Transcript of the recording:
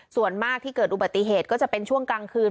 ส่วนมากที่เกิดอุบัติเหตุก็จะเป็นช่วงกลางคืน